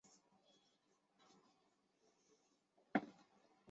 某些国家的警告标志是菱形的。